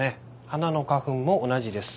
花の花粉も同じです。